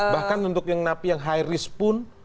bahkan untuk yang high risk pun